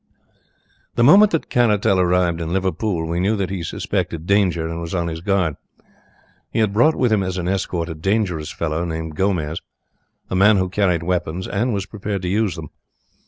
"The moment that Caratal arrived in Liverpool we knew that he suspected danger and was on his guard. He had brought with him as an escort a dangerous fellow, named Gomez, a man who carried weapons, and was prepared to use them.